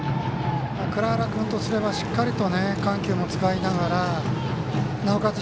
藏原君とすればしっかりと緩急も使いながらなおかつ